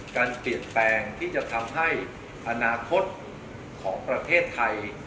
การเปลี่ยนแปลงที่จะทำให้อนาคตของประเทศไทย